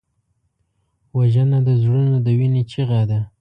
وژنه د زړونو د وینې چیغه ده